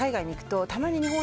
たまに。